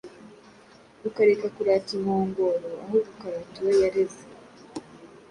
ukareka kurata inkongoro ahubwo ukarata uwo yareze.